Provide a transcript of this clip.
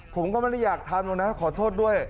ผมก็ไม่ได้อยากทำหรอกนะขอโทษด้วย